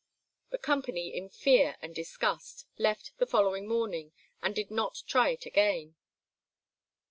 The company, in fear and disgust, left the following morning, and did not try it again.